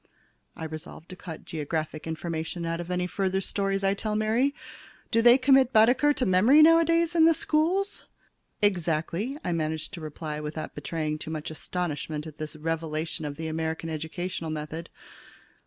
I resolve to cut geographic information out of any further stories I tell Mary. Do they commit Baedeker to memory nowadays in the schools? "Exactly," I manage to reply without betraying too much astonishment at this revelation of the American educational method.